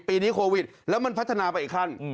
ปีนี้โควิดแล้วมันพัฒนาไปอีกขั้น